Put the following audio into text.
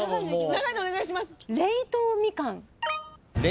長いのお願いします。